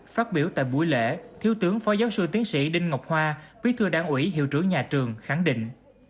phát biểu tại buổi lễ thiếu tướng phó giáo sư tiến sĩ đinh ngọc hoa bí thư đảng ủy hiệu trưởng nhà trường khẳng định